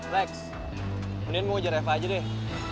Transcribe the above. lex mendingan mau ngejar reva aja deh